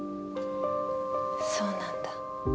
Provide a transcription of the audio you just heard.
そうなんだ。